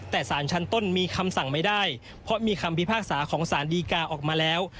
แต่สารชั้นต้นมีคำสั่งไม่ได้เพราะมีคำพิพากษาของสารดีกาออกมาแล้ว